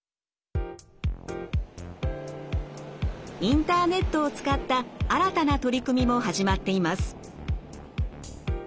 インターネットを使った新たな取り組みも始まっています。